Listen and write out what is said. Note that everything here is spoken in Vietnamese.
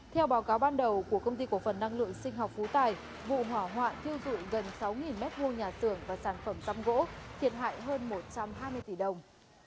theo báo cáo ban đầu của công ty cổ phần năng lượng sinh học phú tài vụ hỏa hoạn thiêu dụi gần sáu m hai nhà xưởng và sản phẩm xăm gỗ thiệt hại hơn một trăm hai mươi tỷ đồng